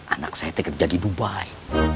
anak saya itu kerja di dubai